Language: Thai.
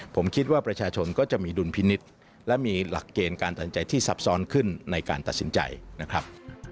ผมคิดว่าประชาชนก็จะมีดุลพินิษฐ์และมีหลักเกณฑ์การตัดสินใจที่ซับซ้อนขึ้นในการตัดสินใจนะครับ